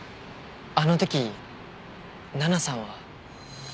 あの時奈々さんは。